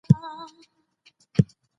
کمپيوټر احساس پېژني.